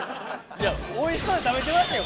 おいしそうに食べてましたよ